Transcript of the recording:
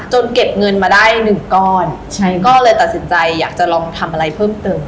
เก็บเงินมาได้หนึ่งก้อนใช่ก็เลยตัดสินใจอยากจะลองทำอะไรเพิ่มเติม